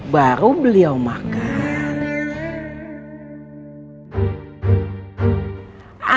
baru beliau makan